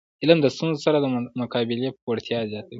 علم د ستونزو سره د مقابلي وړتیا زیاتوي.